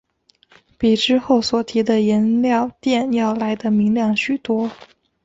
比之后所提的颜料靛要来得明亮许多。